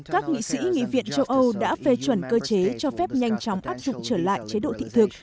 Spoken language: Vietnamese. các nghị sĩ nghị viện châu âu đã phê chuẩn cơ chế cho phép nhanh chóng áp dụng trở lại chế độ thị thực